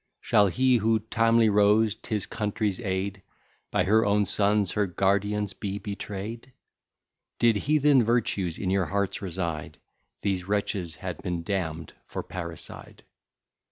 Shall he, who timely rose t'his country's aid, By her own sons, her guardians, be betray'd? Did heathen virtues in your hearts reside, These wretches had been damn'd for parricide.